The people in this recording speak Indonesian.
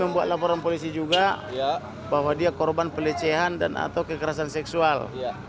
bahwa dia korban pelecehan atau kekerasan seksual